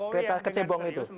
kereta kecebong itu